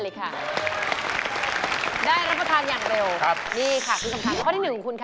เดี๋ยวคุณไม่คิดอะไรเลยเหรอ